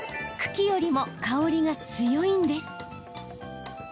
茎よりも香りが強いんです。